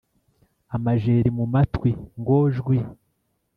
amajeri mu matwi ngo jwi